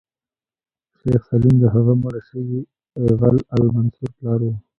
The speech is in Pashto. شیخ سلیم د هغه مړ شوي غل المنصور پلار و.